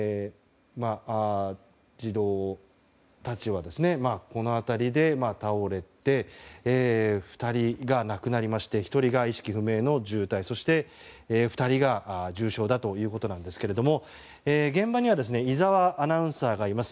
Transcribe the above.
児童たちは、この辺りで倒れて２人が亡くなりまして１人が意識不明の重体そして、２人が重傷だということですが現場には井澤アナウンサーがいます。